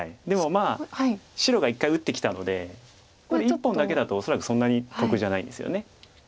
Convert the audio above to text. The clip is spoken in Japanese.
でもまあ白が１回打ってきたので１本だけだと恐らくそんなに得じゃないんですよね。